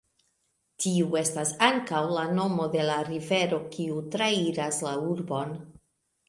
Tiu estas ankaŭ la nomo de la rivero kiu trairas la urbon.